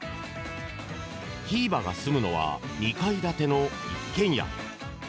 ひーばが住むのは２階建ての一軒家。